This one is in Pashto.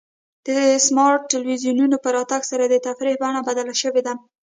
د سمارټ ټلویزیونونو په راتګ سره د تفریح بڼه بدله شوې ده.